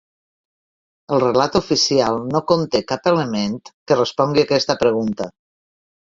El relat oficial no conté cap element que respongui aquesta pregunta.